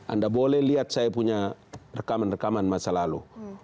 anda boleh lihat saya punya rekaman rekaman masa lalu